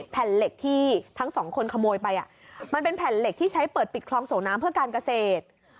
แผ่นเหล็กที่ทั้งสองคนขโมยไปมันเป็นแผ่นเหล็กที่ใช้เปิดปิดคลองส่งน้ำเพื่อการเกษตร